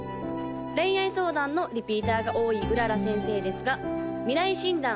恋愛相談のリピーターが多い麗先生ですが未来診断